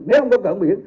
nếu không có cảng biển